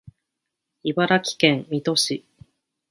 茨城県水戸市